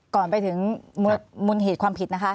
ก่อนไปถึงมูลเหตุความผิดนะคะ